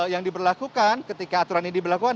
yang diberlakukan ketika aturan ini diberlakukan